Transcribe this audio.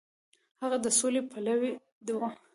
هغه د سولې پلوی و.